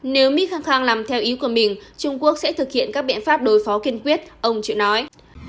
nếu mỹ khăng khăng làm theo ý của mình trung quốc sẽ thực hiện các biện pháp đối phó kiên quyết ông triệu nói